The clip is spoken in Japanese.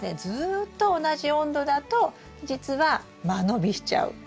ずっと同じ温度だと実は間延びしちゃう。